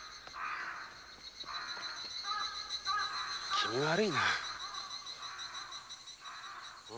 気味悪いな。